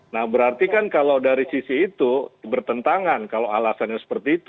nah berarti kan kalau dari sisi itu bertentangan kalau alasannya seperti itu